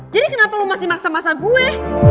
jadi kenapa lo masih maksa maksa gue